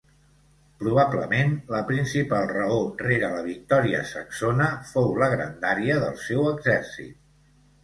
Probablement, la principal raó rere la victòria saxona fou la grandària del seu exèrcit.